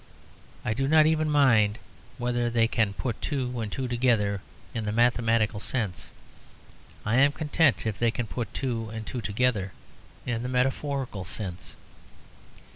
I do not even mind whether they can put two and two together in the mathematical sense; I am content if they can put two and two together in the metaphorical sense.